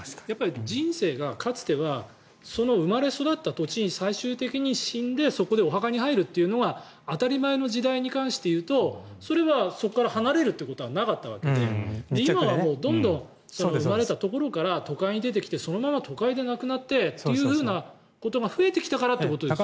人生が、かつてはその生まれ育った土地に最終的に死んでそこでお墓に入るっていうのが当たり前の時代に関していうとそれはそこから離れるということはなかったわけで今はどんどん生まれたところから都会に出てきてそのまま都会で亡くなってっていうことが増えてきたからということですよね。